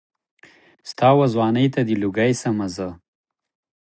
ستا وه ځوانۍ ته دي لوګى سمه زه